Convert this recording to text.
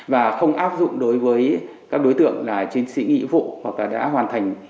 và không áp dụng đối với các đối tượng là chính sĩ nghị vụ hoặc là đã hoàn thành